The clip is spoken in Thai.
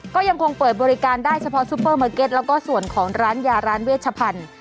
ก็ยังคงเปิดบริการได้เฉพาะซูเปอร์มาร์เก็ตแล้วก็ส่วนของร้านยาร้านเวชพันธุ์